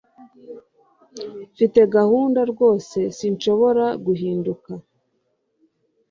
Mfite gahunda rwose sinshobora guhinduka